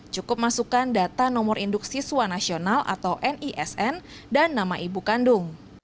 cukup masukkan data nomor induk siswa nasional atau nisn dan nama ibu kandung